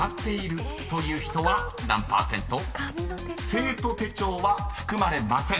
［生徒手帳は含まれません］